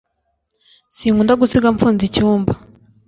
Sinkunda gusiga mfunze icyumba